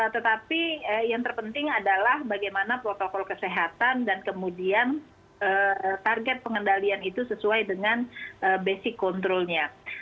tetapi yang terpenting adalah bagaimana protokol kesehatan dan kemudian target pengendalian itu sesuai dengan basic controlnya